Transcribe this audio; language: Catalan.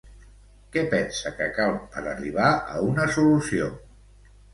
Què pensa que cal per arribar a una solució?